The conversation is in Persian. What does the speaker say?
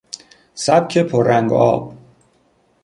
سبک پررنگ و آب